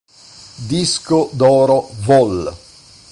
Disco d'oro vol.